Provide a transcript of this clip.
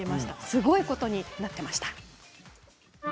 すごいことになっていました。